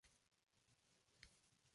Es la secuela de "Slender: The Eight Pages".